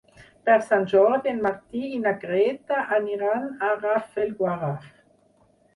Per Sant Jordi en Martí i na Greta aniran a Rafelguaraf.